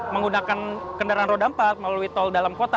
menggunakan kendaraan roda empat melalui tol dalam kota